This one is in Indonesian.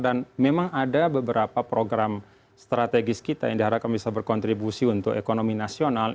dan memang ada beberapa program strategis kita yang diharapkan bisa berkontribusi untuk ekonomi nasional